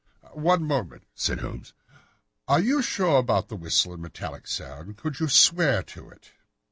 "One moment," said Holmes, "are you sure about this whistle and metallic sound? Could you swear to it?"